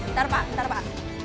ntar pak ntar pak